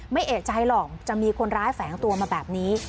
ไม่เอกใจหรอกจะมีคนร้ายแฝงตัวมาแบบนี้